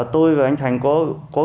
tôi và anh thành có